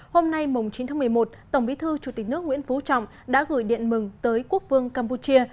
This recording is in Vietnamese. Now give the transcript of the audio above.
hôm nay chín tháng một mươi một tổng bí thư chủ tịch nước nguyễn phú trọng đã gửi điện mừng tới quốc vương campuchia